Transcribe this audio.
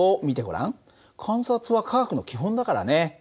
観察は科学の基本だからね。